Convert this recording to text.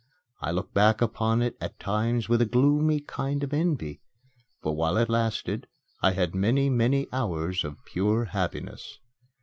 I look back upon it at times with a gloomy kind of envy; for, while it lasted, I had many, many hours of pure happiness.